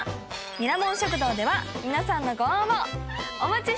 ミラモン食堂では皆さんのご応募お待ちしてます。